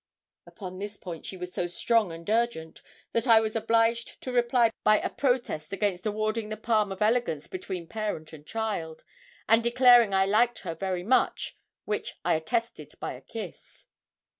Upon this point she was so strong and urgent that I was obliged to reply by a protest against awarding the palm of elegance between parent and child, and declaring I liked her very much, which I attested by a kiss.